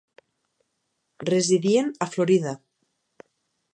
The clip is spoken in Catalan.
Residien a Florida.